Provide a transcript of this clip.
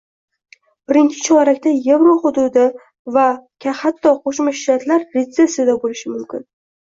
Birinchi chorakda evro hududi va hatto Qo'shma Shtatlar retsessiyada bo'lishi mumkin